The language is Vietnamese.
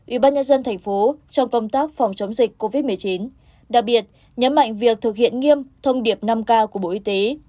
ủy ban nhân dân thành phố trong công tác phòng chống dịch covid một mươi chín đặc biệt nhấn mạnh việc thực hiện nghiêm thông điệp năm k của bộ y tế